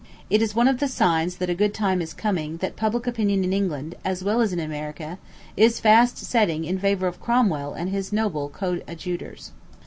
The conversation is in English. It is one of the signs that a "good time is coming" that public opinion in England, as well as in America, is fast setting in favor of Cromwell and his noble coadjutors.